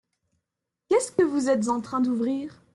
Qu’est-ce que vous êtes en train d’ouvrir ?